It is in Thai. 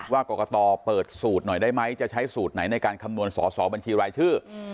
ว่ากรกตเปิดสูตรหน่อยได้ไหมจะใช้สูตรไหนในการคำนวณสอสอบัญชีรายชื่อ